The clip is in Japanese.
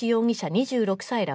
２６歳ら